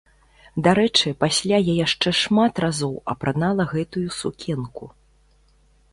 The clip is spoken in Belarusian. Дарэчы, пасля я яшчэ шмат разоў апранала гэтую сукенку.